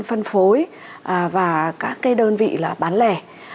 phân phối và các cái đơn vị là bán lẻ